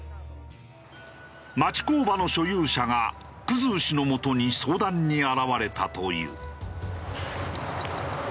町工場の所有者が生氏のもとに相談に現れたという。